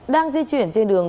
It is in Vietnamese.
đang di chuyển trên đường